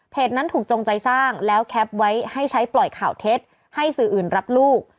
นั้นถูกจงใจสร้างแล้วแคปไว้ให้ใช้ปล่อยข่าวเท็จให้สื่ออื่นรับลูก